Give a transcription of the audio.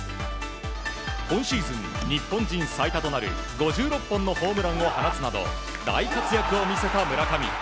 今シーズン日本人最多となる５６本のホームランを放つなど大活躍を見せた村上。